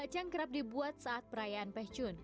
yang kerap dibuat saat perayaan pehcun